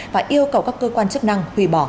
và yêu cầu các cơ quan chức năng hủy bỏ